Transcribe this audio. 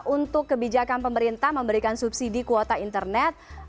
untuk kebijakan pemerintah memberikan subsidi kuota internet